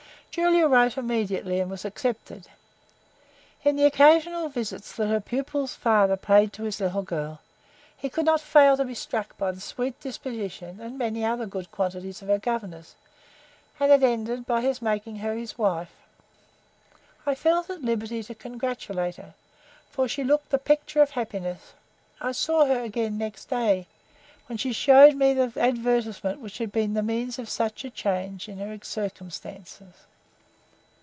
Julia wrote immediately, and was accepted. In the occasional visits that her pupil's father paid to his little girl, he could not fail to be struck by the sweet disposition and many other good qualities of her governess, and it ended by his making her his wife. I felt at liberty to congratulate her, for she looked the picture of happiness. I saw her again next day, when she showed me the advertisement which had been the means of such a change in her circumstances.